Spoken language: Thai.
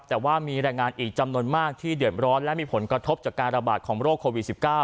แต่ว่ามีแรงงานอีกจำนวนมากที่เดือดร้อนและมีผลกระทบจากการระบาดของโรคโควิด๑๙